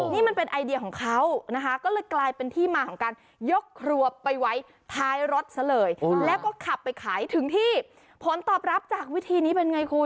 นี่มันเป็นไอเดียของเขานะคะก็เลยกลายเป็นที่มาของการยกครัวไปไว้ท้ายรถซะเลยแล้วก็ขับไปขายถึงที่ผลตอบรับจากวิธีนี้เป็นไงคุณ